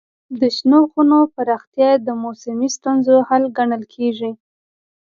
د شنو خونو پراختیا د موسمي ستونزو حل ګڼل کېږي.